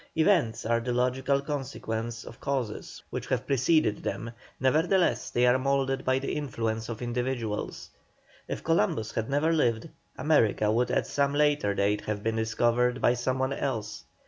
Events are the logical sequence of causes which have preceded them, nevertheless they are moulded by the influence of individuals. If Columbus had never lived, America would at some later date have been discovered by some one else.